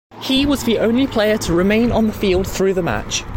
He was the only player to remain on the field through the match.